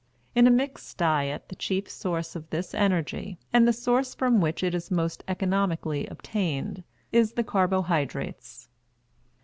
In a mixed diet the chief source of this energy and the source from which it is most economically obtained is the carbohydrates.